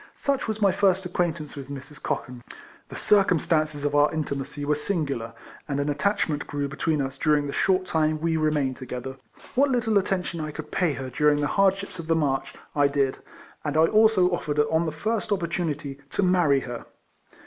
Such was my first acquaintance with Mrs. Cochan. The circumstances of our intimacy were singular, and an attachment grew between us during the short time we remained together. What little attention I could pay her during the hardships of the march I did, and I also offered on the first opportunity to marry her.